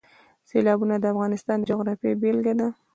سیلابونه د افغانستان د جغرافیې بېلګه ده.